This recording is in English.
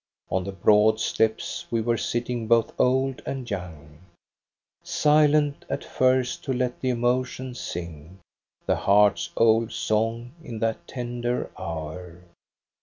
On the broad steps we were sitting, both old and young, Silent at first to let the emotions sing The heart's old song in that tender hour.